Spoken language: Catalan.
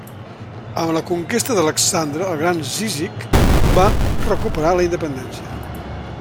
Amb la conquesta d'Alexandre el gran Cízic va recuperar la independència.